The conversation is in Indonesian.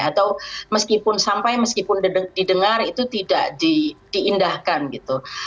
atau meskipun sampai meskipun didengar itu tidak diindahkan gitu